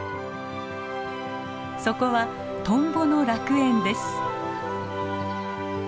そこはトンボの楽園です。